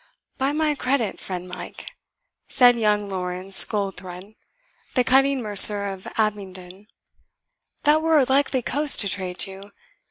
"By my credit, friend Mike," said young Laurence Goldthred, the cutting mercer of Abingdon, "that were a likely coast to trade to.